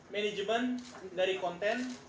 management dari konten